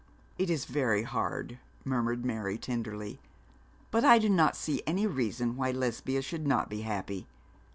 'It is very hard,' murmured Mary, tenderly, 'but I do not see any reason why Lesbia should not be happy.